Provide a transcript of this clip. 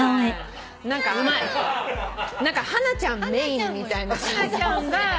何かハナちゃんメインみたいな感じ。